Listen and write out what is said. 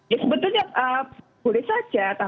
ya sebetulnya boleh saja